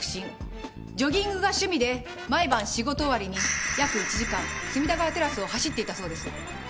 ジョギングが趣味で毎晩仕事終わりに約１時間隅田川テラスを走っていたそうです。